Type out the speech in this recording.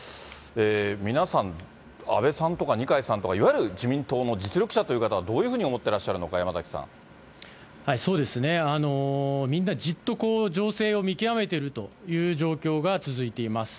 皆さん、安倍さんとか二階さんとかいわゆる自民党の実力者という方は、どういうふうに思ってらっしゃるのか、そうですね、みんなじっとこう情勢を見極めてるという状況が続いています。